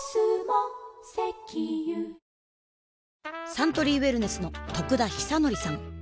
サントリーウエルネスの得田久敬さん